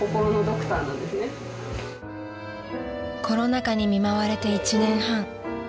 ［コロナ禍に見舞われて１年半］